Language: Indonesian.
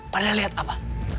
padahal liat apa